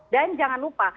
dan jangan lupa